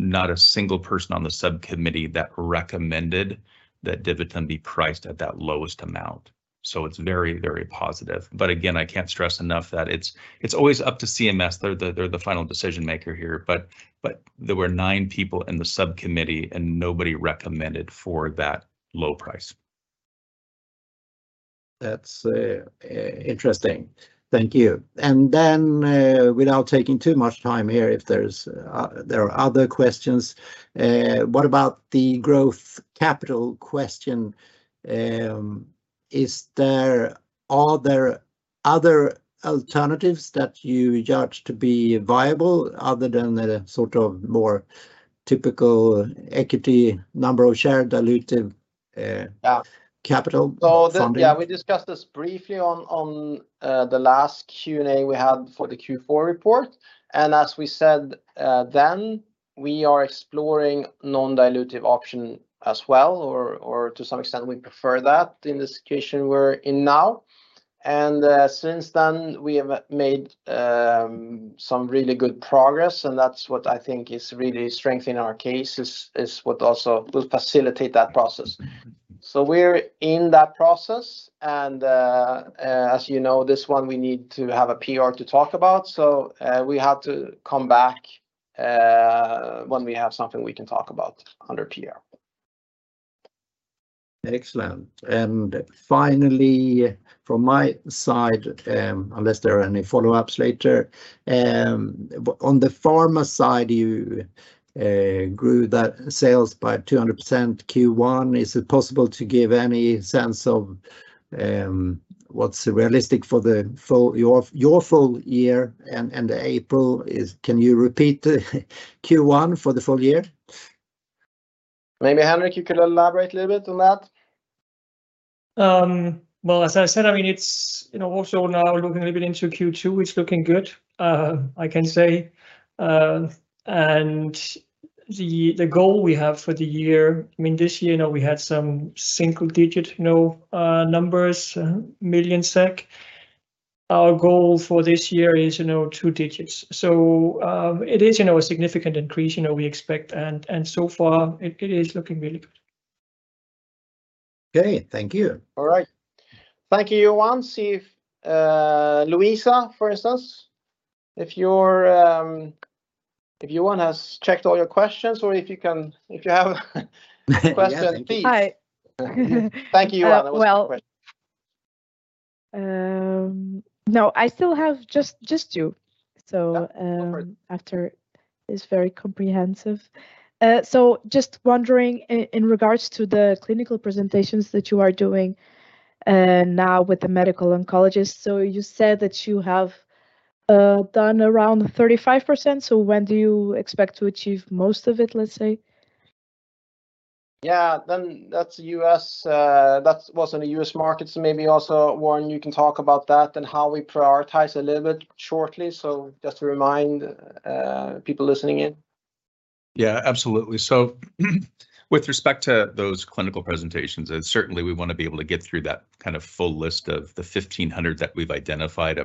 not a single person on the subcommittee that recommended that DiviTum be priced at that lowest amount. So it's very, very positive. But again, I can't stress enough that it's, it's always up to CMS. They're the, they're the final decision maker here, but, but there were nine people in the subcommittee, and nobody recommended for that low price. That's interesting. Thank you. And then, without taking too much time here, if there are other questions, what about the growth capital question? Is there—are there other alternatives that you judge to be viable other than the sort of more typical equity number of share dilutive? Yeah -capital? So, yeah, we discussed this briefly on, on, the last Q&A we had for the Q4 report, and as we said, then, we are exploring non-dilutive option as well, or, or to some extent, we prefer that in the situation we're in now. And, since then, we have made some really good progress, and that's what I think is really strengthening our case is, is what also will facilitate that process. So we're in that process, and, as you know, this one we need to have a PR to talk about, so, we have to come back, when we have something we can talk about under PR. Excellent. And finally, from my side, unless there are any follow-ups later, on the pharma side, you grew that sales by 200% Q1. Is it possible to give any sense of, what's realistic for the full, your, your full year and, and the April is... Can you repeat the Q1 for the full year? Maybe, Henrik, you could elaborate a little bit on that? Well, as I said, I mean, it's, you know, also now we're looking a little bit into Q2, it's looking good, I can say. And the goal we have for the year, I mean, this year, you know, we had some single digit, you know, numbers, million SEK. Our goal for this year is, you know, two digits. So, it is, you know, a significant increase, you know, we expect, and so far it is looking really good. Okay, thank you. All right. Thank you, Johan. See if, Luisa, for instance, if you're, if Johan has checked all your questions or if you can, if you have - Yeah... question, please. Hi. Thank you, Johan. Uh, well- Great. No, I still have just, just you. So, after this very comprehensive... so just wondering, in regards to the clinical presentations that you are doing, now with the medical oncologist, so you said that you have done around 35%, so when do you expect to achieve most of it, let's say? Yeah, then that's U.S., that was in the U.S. market. Maybe also, Warren, you can talk about that and how we prioritize a little bit shortly, so just to remind, people listening in. Yeah, absolutely. So, with respect to those clinical presentations, and certainly we want to be able to get through that kind of full list of the 1,500 that we've identified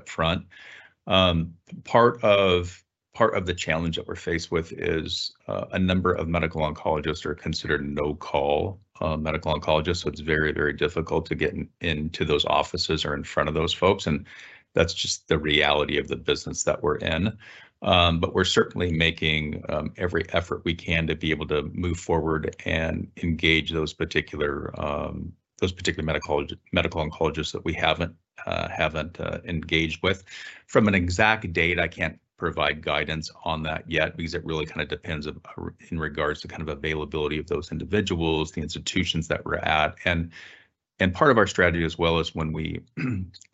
upfront. Part of the challenge that we're faced with is a number of medical oncologists are considered no-call medical oncologists, so it's very, very difficult to get into those offices or in front of those folks, and that's just the reality of the business that we're in. But we're certainly making every effort we can to be able to move forward and engage those particular medical oncologists that we haven't engaged with. From an exact date, I can't provide guidance on that yet, because it really kind of depends on, in regards to kind of availability of those individuals, the institutions that we're at. And part of our strategy as well is when we,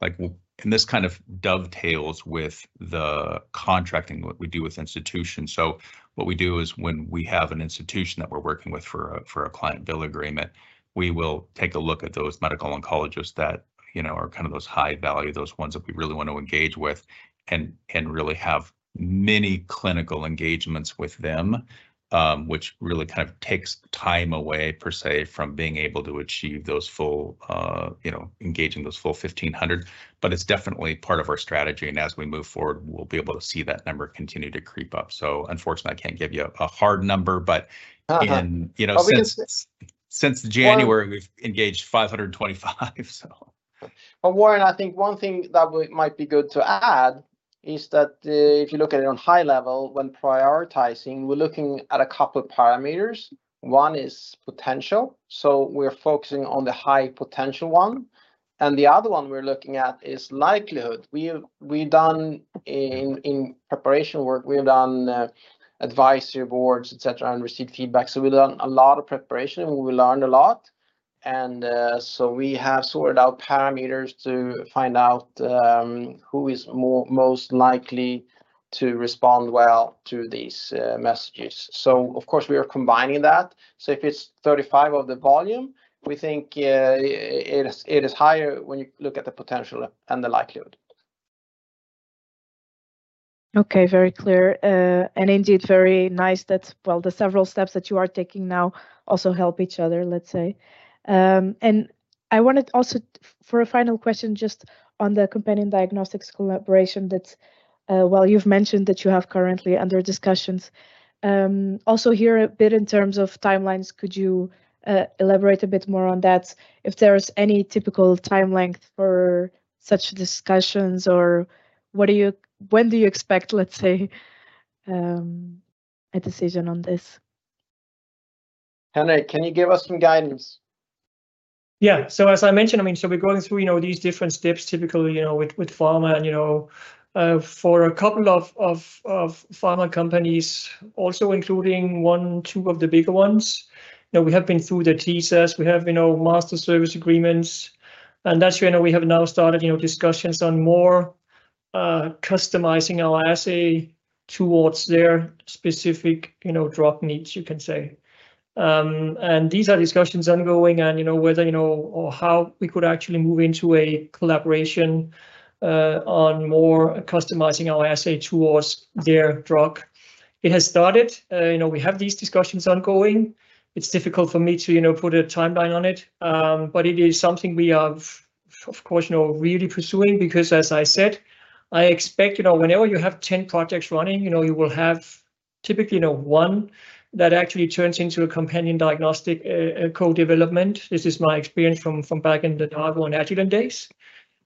like, and this kind of dovetails with the contracting, what we do with institutions. So what we do is when we have an institution that we're working with for a client bill agreement, we will take a look at those medical oncologists that, you know, are kind of those high value, those ones that we really want to engage with, and really have many clinical engagements with them. Which really kind of takes time away, per se, from being able to achieve those full, you know, engaging those full 1,500. But it's definitely part of our strategy, and as we move forward, we'll be able to see that number continue to creep up. So unfortunately, I can't give you a hard number, but- but we can- And, you know, since January- Warren... we've engaged 525, so But Warren, I think one thing that we might be good to add is that, if you look at it on high level, when prioritizing, we're looking at a couple of parameters. One is potential, so we're focusing on the high potential one, and the other one we're looking at is likelihood. We've done in preparation work, we've done advisory boards, et cetera, and received feedback. So we've done a lot of preparation, and we learned a lot. And so we have sorted out parameters to find out who is more most likely to respond well to these messages. So of course, we are combining that. So if it's 35 of the volume, we think it is higher when you look at the potential and the likelihood. Okay, very clear. And indeed, very nice that, well, the several steps that you are taking now also help each other, let's say. I wanted also, for a final question, just on the companion diagnostics collaboration that, well, you've mentioned that you have currently under discussions. Also hear a bit in terms of timelines, could you elaborate a bit more on that? If there's any typical time length for such discussions, or when do you expect, let's say, a decision on this? Henrik, can you give us some guidance? Yeah, so as I mentioned, I mean, so we're going through, you know, these different steps, typically, you know, with pharma. And, you know, for a couple of pharma companies, also including one, two of the bigger ones, you know, we have been through the TESAs. We have, you know, master service agreements, and that's when we have now started, you know, discussions on more customizing our assay towards their specific, you know, drug needs, you can say. And these are discussions ongoing, and, you know, whether, you know, or how we could actually move into a collaboration on more customizing our assay towards their drug. It has started. You know, we have these discussions ongoing. It's difficult for me to, you know, put a timeline on it. But it is something we are, of course, you know, really pursuing because, as I said, I expect, you know, whenever you have 10 projects running, you know, you will have typically, you know, 1 that actually turns into a companion diagnostic, co-development. This is my experience from back in the Abbott and Agilent days.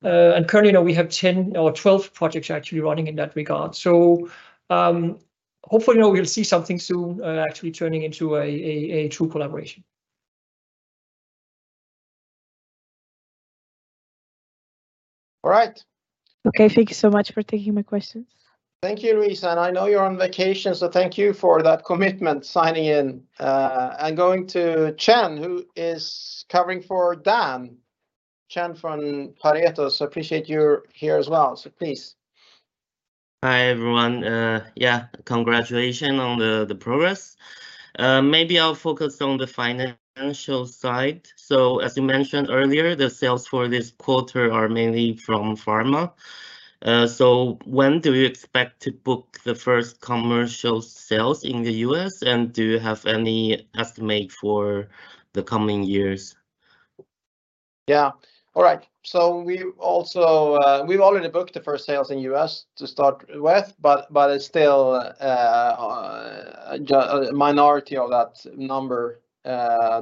Currently, now we have 10 or 12 projects actually running in that regard. Hopefully, you know, we'll see something soon, actually turning into a true collaboration. All right. Okay. Thank you so much for taking my questions. Thank you, Luisa, and I know you're on vacation, so thank you for that commitment, signing in. I'm going to Chien, who is covering for Dan. Chien from Pareto, so appreciate you're here as well. So please. Hi, everyone. Yeah, congratulations on the progress. Maybe I'll focus on the financial side. So as you mentioned earlier, the sales for this quarter are mainly from pharma. So, when do you expect to book the first commercial sales in the U.S., and do you have any estimate for the coming years? Yeah. All right, so we also, we've already booked the first sales in U.S. to start with, but, but it's still, a minority of that number.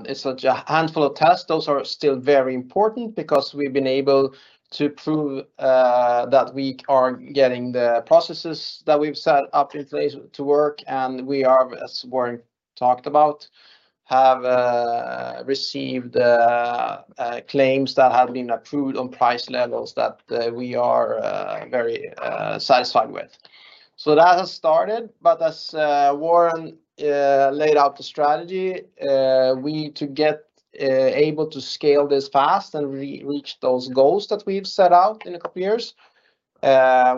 It's such a handful of tests. Those are still very important because we've been able to prove, that we are getting the processes that we've set up in place to work, and we are, as Warren talked about, have, received, claims that have been approved on price levels that, we are, very, satisfied with. So that has started, but as, Warren, laid out the strategy, we need to get, able to scale this fast and reach those goals that we've set out in a couple years.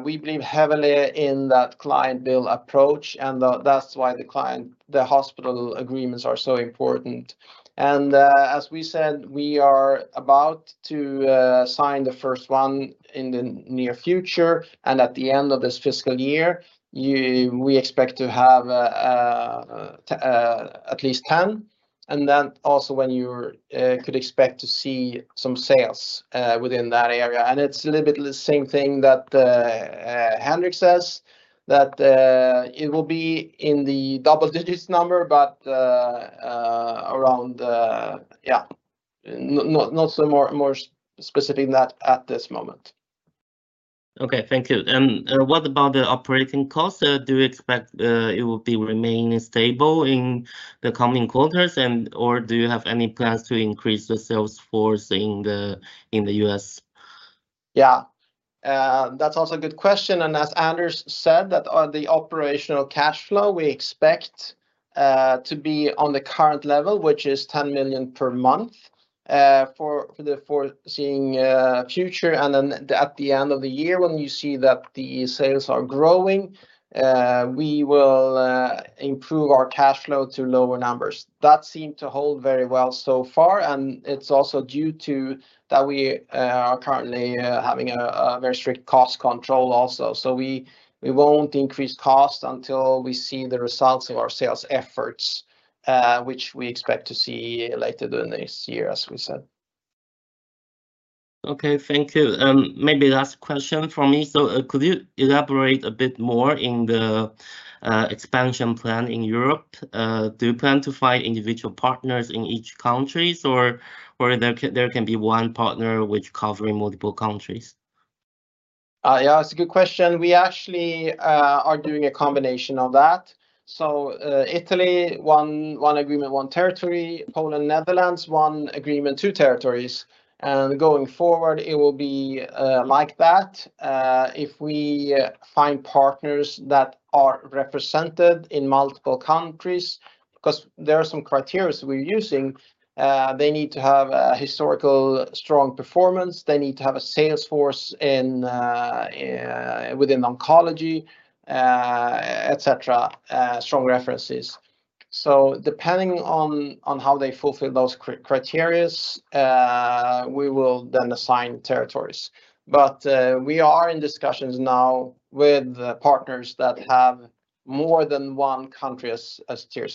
We believe heavily in that client bill approach, and that, that's why the client, the hospital agreements are so important. As we said, we are about to sign the first one in the near future, and at the end of this fiscal year, we expect to have at least 10. And then also when you could expect to see some sales within that area. And it's a little bit the same thing that Henrik says, that it will be in the double digits number, but around, not so more specific than that at this moment. Okay, thank you. And what about the operating costs? Do you expect it will be remaining stable in the coming quarters, and or do you have any plans to increase the sales force in the U.S.? Yeah, that's also a good question, and as Anders said, that on the operational cash flow, we expect to be on the current level, which is 10 million per month, for the foreseeable future. And then at the end of the year, when we see that the sales are growing, we will improve our cash flow to lower numbers. That seemed to hold very well so far, and it's also due to that we are currently having a very strict cost control also. So, we won't increase cost until we see the results of our sales efforts, which we expect to see later in this year, as we said. Okay, thank you. Maybe last question from me. So, could you elaborate a bit more in the expansion plan in Europe? Do you plan to find individual partners in each countries, or there can be one partner which covering multiple countries? Yeah, it's a good question. We actually are doing a combination of that. So, Italy, 1, 1 agreement, 1 territory, Poland, Netherlands, 1 agreement, 2 territories. And going forward, it will be like that. If we find partners that are represented in multiple countries, 'cause there are some criteria we're using, they need to have a historical strong performance. They need to have a sales force in within oncology, et cetera, strong references. So, depending on how they fulfill those criteria, we will then assign territories. But we are in discussions now with the partners that have more than one country as tier.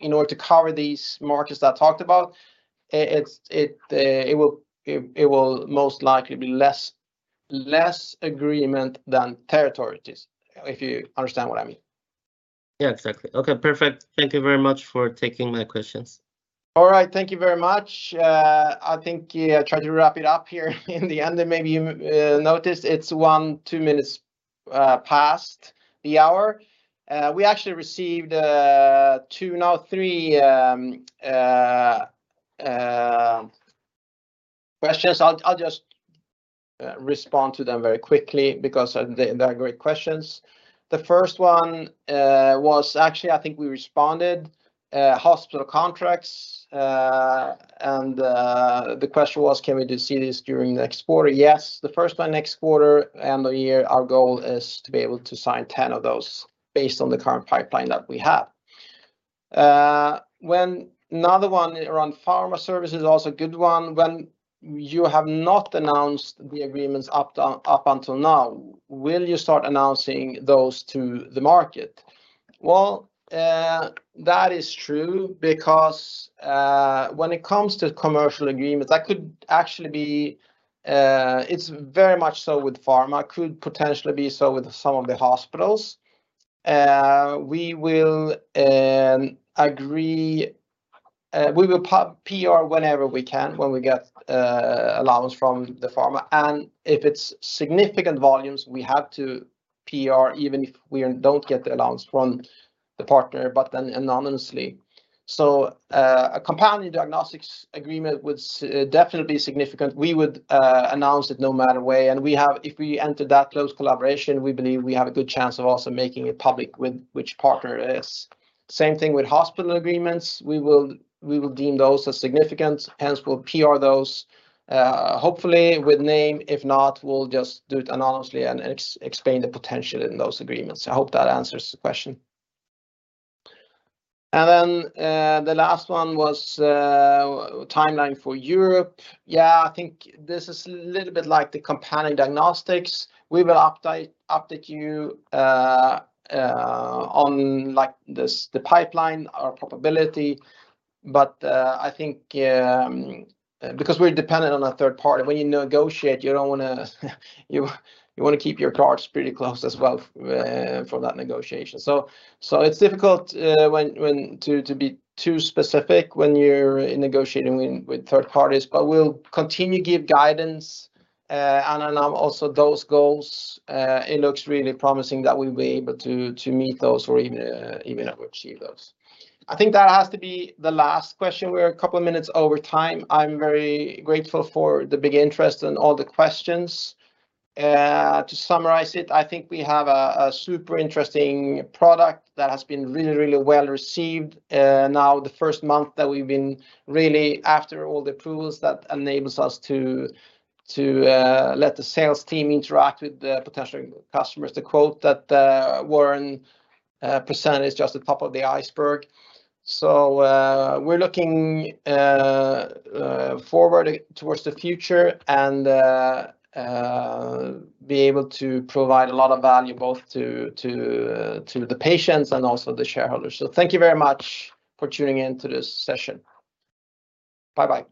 In order to cover these markets that I talked about, it will most likely be less agreement than territories, if you understand what I mean. Yeah, exactly. Okay, perfect. Thank you very much for taking my questions. All right, thank you very much. I think, yeah, try to wrap it up here in the end, and maybe you noticed it's 1, 2 minutes past the hour. We actually received two, now three questions. I'll just respond to them very quickly because they are great questions. The first one was actually, I think we responded, hospital contracts. And the question was, can we do see this during next quarter? Yes, the first by next quarter and the year, our goal is to be able to sign 10 of those based on the current pipeline that we have. Another one around pharma services, also a good one. When you have not announced the agreements up till up until now, will you start announcing those to the market? Well, that is true because, when it comes to commercial agreements, that could actually be, it's very much so with pharma, could potentially be so with some of the hospitals. We will agree, we will PR whenever we can, when we get, allowance from the pharma. And if it's significant volumes, we have to PR, even if we don't get the allowance from the partner, but then anonymously. So, a companion diagnostics agreement with, definitely significant, we would, announce it no matter what way. And if we enter that close collaboration, we believe we have a good chance of also making it public with which partner it is. Same thing with hospital agreements. We will, we will deem those as significant, hence we'll PR those, hopefully with name. If not, we'll just do it anonymously and explain the potential in those agreements. I hope that answers the question. And then, the last one was, timeline for Europe. Yeah, I think this is a little bit like the companion diagnostics. We will update you, like, on the pipeline or probability, but I think, because we're dependent on a third party, when you negotiate, you don't wanna, you wanna keep your cards pretty close as well, for that negotiation. So, it's difficult, when to be too specific when you're negotiating with third parties, but we'll continue to give guidance, and also those goals, it looks really promising that we'll be able to meet those or even overachieve those. I think that has to be the last question. We're a couple of minutes over time. I'm very grateful for the big interest and all the questions. To summarize it, I think we have a super interesting product that has been really, really well-received. Now, the first month that we've been really after all the approvals, that enables us to let the sales team interact with the potential customers. The quote that we're in % is just the top of the iceberg. So, we're looking forward towards the future and be able to provide a lot of value both to the patients and also the shareholders. So thank you very much for tuning in to this session. Bye-bye.